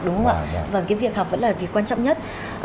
đúng không ạ và cái việc học vẫn là việc quan trọng nhất